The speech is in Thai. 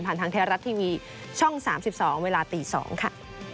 ทางไทยรัฐทีวีช่อง๓๒เวลาตี๒ค่ะ